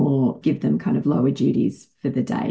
atau memberikan mereka kemampuan yang lebih rendah